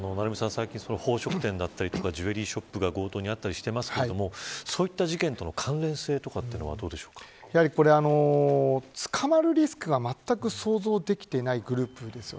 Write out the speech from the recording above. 最近は宝飾店やジュエリーショップが強盗に遭っていますがそういう事件との捕まるリスクがまったく想像できていないグループです。